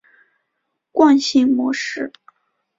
惯性模式。